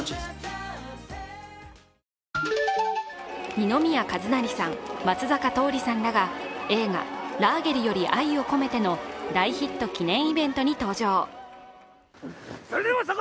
二宮和也さん、松坂桃李さんらが映画「ラーゲリより愛を込めて」の大ヒット記念イベントに登場。